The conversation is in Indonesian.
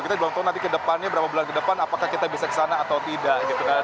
kita belum tahu nanti ke depannya berapa bulan ke depan apakah kita bisa ke sana atau tidak gitu kan